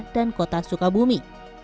dan kota sukabumi